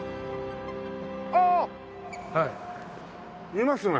いますね。